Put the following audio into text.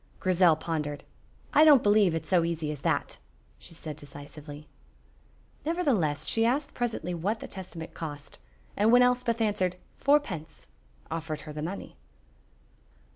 Grizel pondered. "I don't believe it is so easy as that," she said, decisively. Nevertheless she asked presently what the Testament cost, and when Elspeth answered "Fourpence," offered her the money.